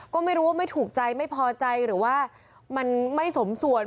ก็ไม่รู้ว่าไม่ถูกใจไม่พอใจหรือว่ามันไม่สมส่วน